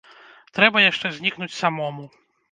Трэба яшчэ знікнуць самому.